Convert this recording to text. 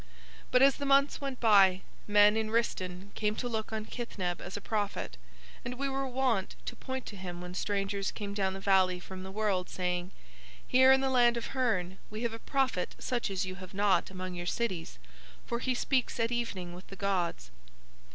"But as the months went by, men in Rhistaun came to look on Kithneb as a prophet, and we were wont to point to him when strangers came down the valley from the world, saying: "'Here in the land of Hurn we have a prophet such as you have not among your cities, for he speaks at evening with the gods.